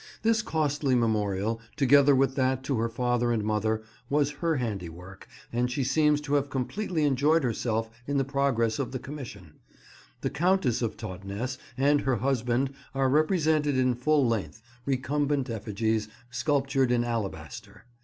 This costly memorial, together with that to her father and mother, was her handiwork, and she seems to have completely enjoyed herself in the progress of the commission. The Countess of Totnes and her husband are represented in full length, recumbent effigies, sculptured in alabaster.